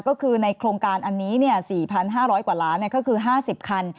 ก็คือในโครงการอันนี้๔๕๐๐กว่าล้านก็คือ๕๐คัน